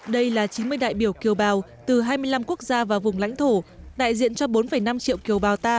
đây là chín mươi đại biểu kiều bào từ hai mươi năm quốc gia và vùng lãnh thổ đại diện cho bốn năm triệu kiều bào ta